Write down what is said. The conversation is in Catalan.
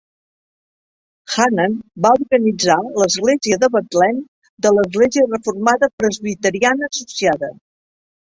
Hannan va organitzar l'Església de Betlem de l'Església reformada presbiteriana associada.